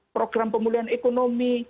program pemulihan ekonomi